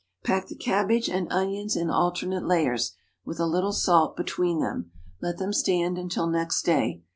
Pack the cabbage and onions in alternate layers, with a little salt between them. Let them stand until next day.